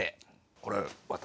これ私。